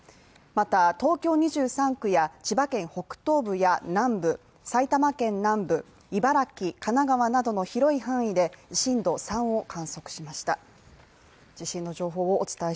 また東京２３区や千葉県北東部や南部埼玉県南部、茨城、神奈川などの広い範囲で震度３を観測しました。